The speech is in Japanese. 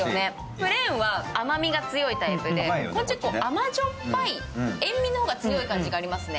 プレーンは甘みが強いタイプで、甘塩っぱい、塩みの方が強い感じがありますね。